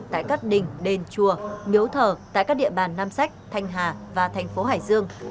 tại các đình đền chùa miếu thờ tại các địa bàn nam sách thanh hà và thành phố hải dương